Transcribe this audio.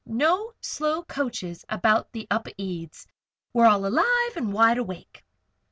No slow coaches about the Upedes. We're all alive and wide awake."